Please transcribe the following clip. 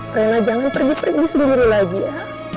pernah jangan pergi pergi sendiri lagi ya